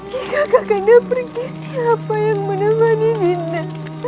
jika kakanda pergi siapa yang menemani dinda